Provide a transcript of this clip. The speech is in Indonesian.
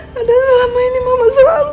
padahal selama ini mama selalu